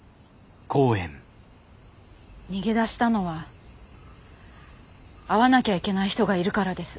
逃げ出したのは会わなきゃいけない人がいるからです。